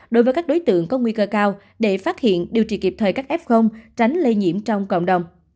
đối với các đối tượng có nguy cơ cao để phát hiện điều trị kịp thời các f tránh lây nhiễm trong cộng đồng